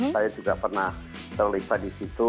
saya juga pernah terlibat di situ